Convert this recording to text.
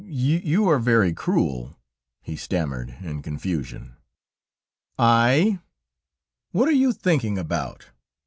"You are very cruel," he stammered in confusion. "I? What are you thinking about?"